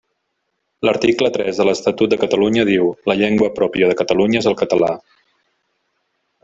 L'article tres de l'Estatut de Catalunya diu “La llengua pròpia de Catalunya és el català”.